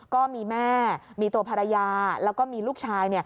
ก็มีแม่มีตัวภรรยาแล้วก็มีลูกชาย